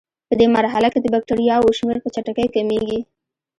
پدې مرحله کې د بکټریاوو شمېر په چټکۍ کمیږي.